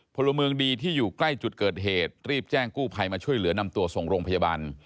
พลเมืองดีที่อยู่ใกล้จุดเกิดเหตุรีบแจ้งกู้ภัยมาช่วยเหลือนำตัวส่งโรงพยาบาล